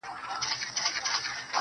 تاسي له خدایه سره څه وکړل کیسه څنګه سوه.